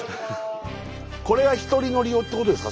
これが１人乗り用ってことですか？